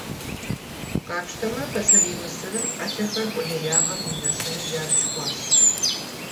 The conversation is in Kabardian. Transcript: Къапщтэмэ, Пасэрей Мысырым ӏэлъэхэр къулеягъэм и нэщэнэу ябж хъуащ.